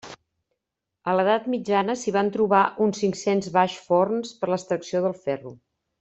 A l'edat mitjana s'hi van trobar unes cinc-cents baix forns per a l'extracció del ferro.